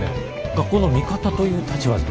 学校の味方という立場じゃ。